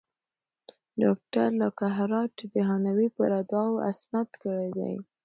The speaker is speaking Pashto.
ډاکټر لاکهارټ د هانوې پر ادعاوو استناد کړی دی.